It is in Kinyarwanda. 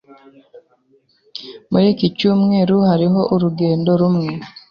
muri iki cyumweru hariho urugendo rumwe